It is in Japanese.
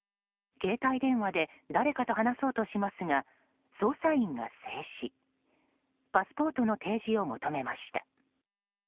携帯電話で誰かと話そうとしますが捜査員が制しパスポートの提示を求めました。